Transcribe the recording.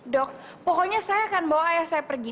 dok pokoknya saya akan bawa ayah saya pergi